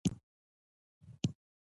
تر پوهې او هنره پورې.